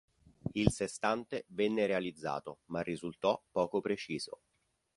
Il sestante venne realizzato ma risultò poco preciso.